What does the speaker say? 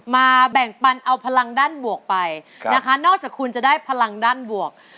แบ่งปันเอาพลังด้านบวกไปนะคะนอกจากคุณจะได้พลังด้านบวก